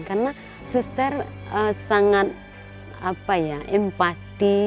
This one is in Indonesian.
karena suster sangat empati